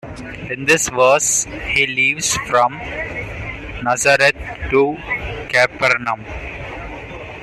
In this verse he leaves from Nazareth to Capernaum.